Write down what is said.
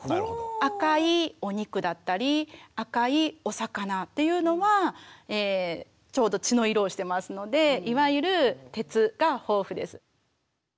赤いお肉だったり赤いお魚というのはちょうど血の色をしてますのでいわゆる鉄が豊富です。